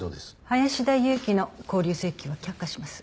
林田裕紀の勾留請求は却下します。